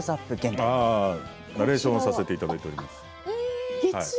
ナレーションをさせていただいています。